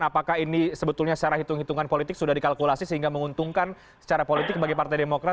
apakah ini sebetulnya secara hitung hitungan politik sudah dikalkulasi sehingga menguntungkan secara politik bagi partai demokrat